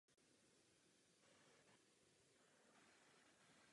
Klenuté jsou též přilehlé prostory.